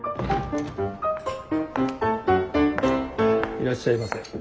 いらっしゃいませ。